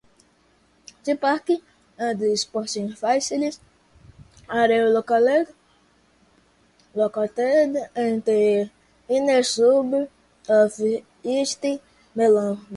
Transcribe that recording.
The park and sporting facilities are located in the inner-suburb of East Melbourne.